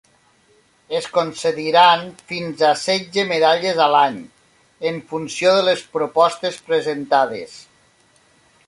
Es concediran fins a setze medalles a l’any en funció de les propostes presentades.